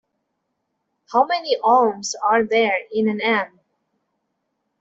How many ohms are there in an amp?